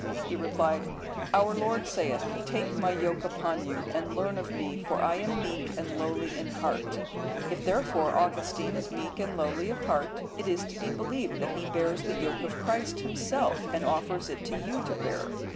He replied, "Our Lord saith, Take My yoke upon you, and learn of Me, for I am meek and lowly in heart; if therefore, Augustine is meek and lowly of heart, it is to be believed that he bears the yoke of Christ himself, and offers it to you to bear.